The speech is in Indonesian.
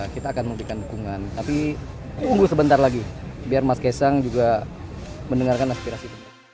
kita akan memberikan dukungan tapi unggul sebentar lagi biar mas ksang juga mendengarkan aspirasi